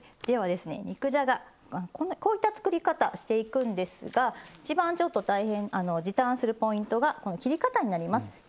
ではですね肉じゃがはこういった作り方していくんですが一番ちょっと大変時短するポイントがこの切り方になります。